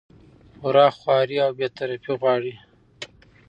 پوره خواري او بې طرفي غواړي